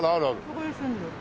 そこに住んでる。